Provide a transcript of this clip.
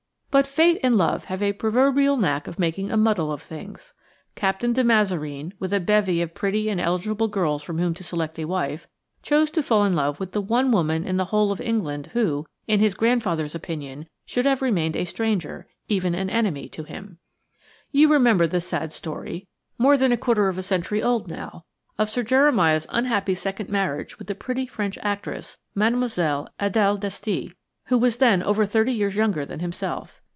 But Fate and Love have a proverbial knack of making a muddle of things. Captain de Mazareen, with a bevy of pretty and eligible girls from whom to select a wife, chose to fall in love with the one woman in the whole of England who, in his grandfather's opinion, should have remained a stranger, even an enemy, to him. You remember the sad story–more than a quarter of a century old now–of Sir Jeremiah's unhappy second marriage with the pretty French actress, Mlle. Adèle Desty, who was then over thirty years younger than himself.